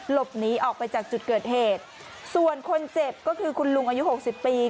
หลบหนีออกไปจากจุดเกิดเหตุส่วนคนเจ็บก็คือคุณลุงอายุหกสิบปี